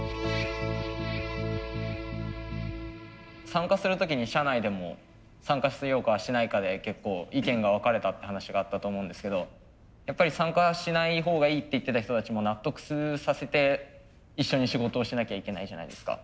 参加する時に社内でも参加しようかしないかで結構意見が分かれたって話があったと思うんですけどやっぱり参加しないほうがいいって言ってた人たちも納得させて一緒に仕事をしなきゃいけないじゃないですか。